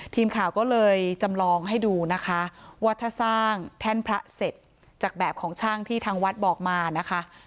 ทีมข่าวก็เลยจำลองให้ดูนะคะว่าถ้าสร้างแท่นพระเสร็จจากแบบของช่างที่ทางวัดบอกมานะคะ